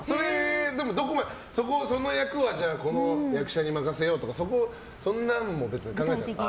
その役はこの役者に任せようとかそんなのも考えてますか？